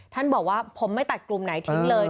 ท่านบอกว่าผมไม่ตัดกลุ่มไหนทิ้งเลย